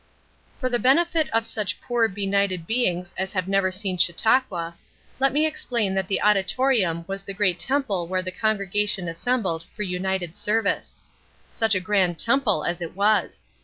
For the benefit of such poor benighted beings as have never seen Chautauqua, let me explain that the auditorium was the great temple where the congregation assembled for united service. Such a grand temple as it was!